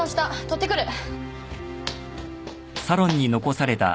取ってくる。